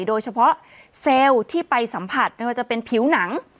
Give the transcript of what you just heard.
โดยเฉพาะเซลล์ที่ไปสัมผัสไม่ว่าจะเป็นผิวหนัง